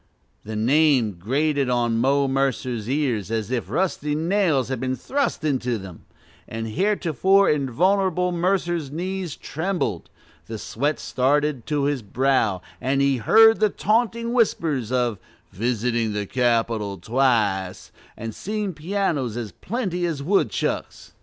The name grated on Mo Mercer's ears as if rusty nails had been thrust into them; the heretofore invulnerable Mercer's knees trembled, the sweat started to his brow, as he heard the taunting whispers of "visiting the Capitol twice" and seeing pianos as plenty as woodchucks.